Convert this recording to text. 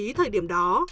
đến thời điểm đó